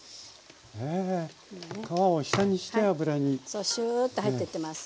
そうシューッて入ってってます。